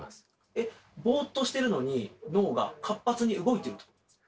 えっボーっとしてるのに脳が活発に動いてるってことですか？